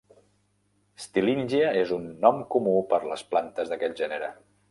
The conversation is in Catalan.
"Stillingia" és un nom comú per les plantes d'aquest gènere.